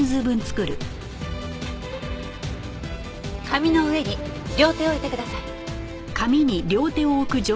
紙の上に両手を置いてください。